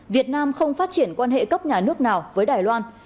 việt nam không phát triển quan hệ cấp nhà nước nào với đài loan